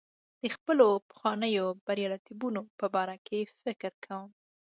د خپلو پخوانیو بریالیتوبونو په باره کې فکر کوم.